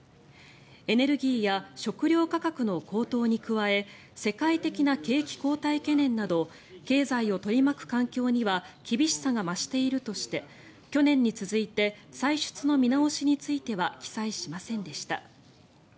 エネルギーや食料価格の高騰に加え世界的な景気後退懸念など経済を取り巻く環境には厳しさが増しているとして去年に続いて歳出の見直しについては記載しませんでした。